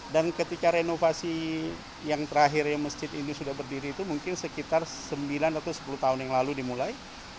dan ketika renovasi yang terakhir yang masjid ini sudah berdiri itu mungkin sekitar sembilan atau sepuluh tahun yang lalu dimulai